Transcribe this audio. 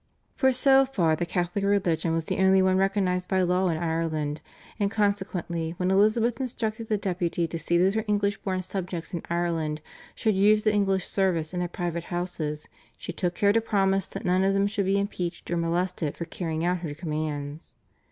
For so far the Catholic religion was the only one recognised by law in Ireland, and consequently when Elizabeth instructed the Deputy to see that her English born subjects in Ireland should use the English service in their private houses, she took care to promise that none of them should be impeached or molested for carrying out her commands.